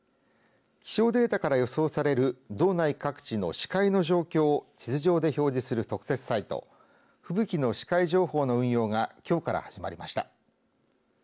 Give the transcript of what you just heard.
気象データから予想される道内各地の視界の状況を地図上で表示する特設サイト吹雪の視界情報の運用がきょうから始まりました。